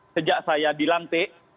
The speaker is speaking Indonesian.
sejak saya dilantik